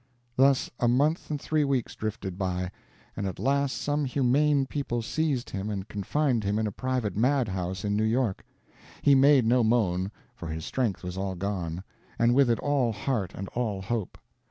Thus a month and three weeks drifted by, and at last some humane people seized him and confined him in a private mad house in New York. He made no moan, for his strength was all gone, and with it all heart and all hope.